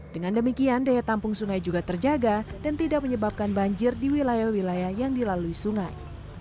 dengan demikian daya tampung sungai juga terjaga dan tidak menyebabkan banjir di wilayah wilayah yang dilalui sungai